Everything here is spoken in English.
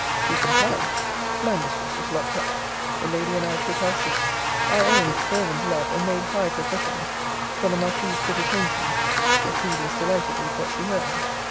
'She complied. My mistress was locked up. The lady and I took our seats. I owned fervent love, and made high professions: for the marquise put it home to me. The prude was delighted with what she heard.